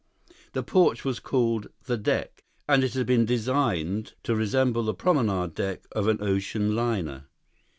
The porch was called the "deck," and it had been designed to resemble the promenade deck of an ocean liner.